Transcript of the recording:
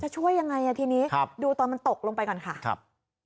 ช่วยยังไงทีนี้ดูตอนมันตกลงไปก่อนค่ะครับ